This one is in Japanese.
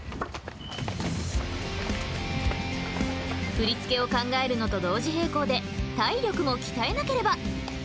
振り付けを考えるのと同時並行で体力も鍛えなければ。